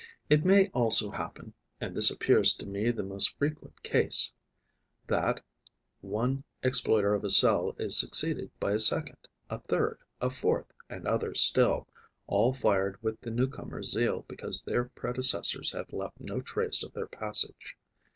It may also happen and this appears to me the most frequent case that one exploiter of a cell is succeeded by a second, a third, a fourth and others still, all fired with the newcomer's zeal because their predecessors have left no trace of their passage.